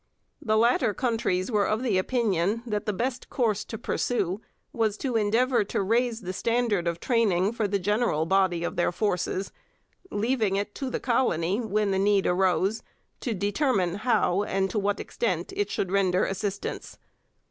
The latter countries were of the opinion 'that the best course to pursue was to endeavour to raise the standard of training for the general body of their forces, leaving it to the colony, when the need arose, to determine how and to what extent it should render assistance....